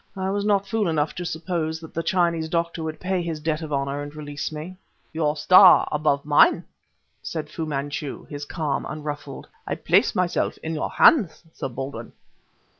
I was not fool enough to suppose that the Chinese Doctor would pay his debt of honor and release me. "Your star above mine," said Fu Manchu, his calm unruffled. "I place myself in your hands, Sir Baldwin."